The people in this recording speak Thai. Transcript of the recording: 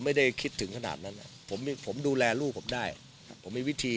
ไม่ได้คิดถึงขนาดนั้นผมดูแลลูกผมได้ผมมีวิธี